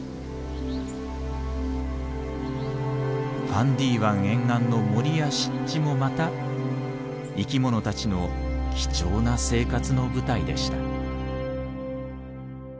ファンディ湾沿岸の森や湿地もまた生き物たちの貴重な生活の舞台でした。